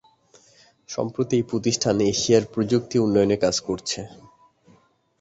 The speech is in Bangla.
সম্প্রতি এই প্রতিষ্ঠান এশিয়ার প্রযুক্তি উন্নয়নে কাজ করছে।